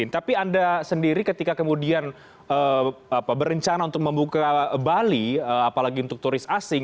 tapi anda sendiri ketika kemudian berencana untuk membuka bali apalagi untuk turis asing